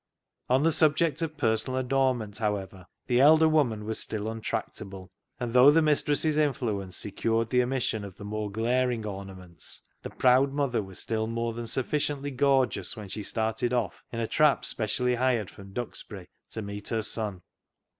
On the subject of personal adornment, how ever, the elder woman was still untractable ; and though the mistress's influence secured the omission of the more glaring ornaments, the 250 CLOG SHOP CHRONICLES proud mother was still more than sufficiently gorgeous when she started off, in a trap specially hired from Duxbury, to meet her son.